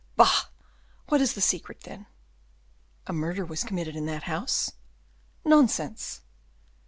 "Bah! what is the secret, then?" "A murder was committed in that house." "Nonsense."